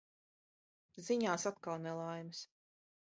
Ziņās atkal nelaimes.